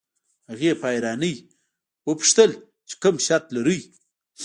هغې په حيرانۍ وپوښتل چې کوم شرط لرئ.